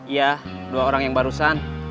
iya dua orang yang barusan